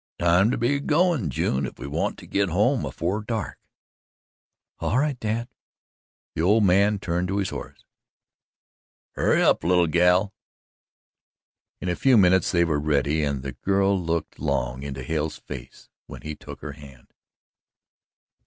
"Time to be goin', June, if we want to get home afore dark!" "All right, Dad." The old man turned to his horse. "Hurry up, little gal." In a few minutes they were ready, and the girl looked long into Hale's face when he took her hand.